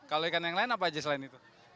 kalau ikan yang lain apa aja selain itu